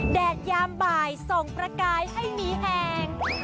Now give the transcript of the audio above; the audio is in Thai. แดดยามบ่ายส่งประกายให้มีแห่ง